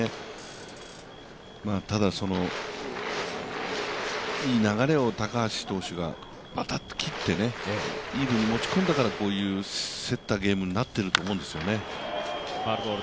ただ、いい流れを高橋投手がぱたっと切ってイーブンに持ち込んだからこういう競ったゲームになっていると思うんですよね。